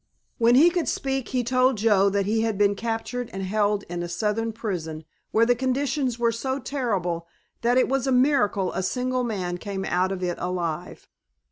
When he could speak he told Joe that he had been captured and held in a Southern prison, where the conditions were so terrible that it was a miracle a single man came out of it alive.